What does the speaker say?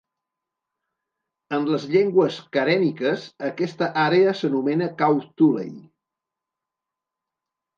En les llengües karèniques, aquesta àrea s'anomena Kawthoolei.